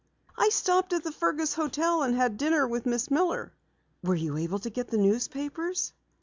"I stopped at the Fergus hotel and had dinner with Miss Miller." "Were you able to get the newspapers?"